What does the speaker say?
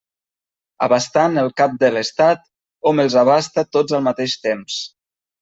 Abastant el cap de l'Estat, hom els abasta tots al mateix temps.